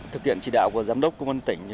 thực hiện chỉ đạo của giám đốc công an tỉnh